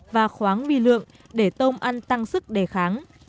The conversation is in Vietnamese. và khoáng mì lượng để tôm ăn tăng sức đề kháng